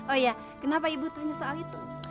oh ya kenapa ibu tanya soal itu